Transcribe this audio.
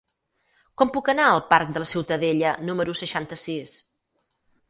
Com puc anar al parc de la Ciutadella número seixanta-sis?